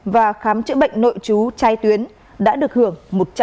và khám chữa bệnh nội trú tra tuyến đã được hưởng một trăm linh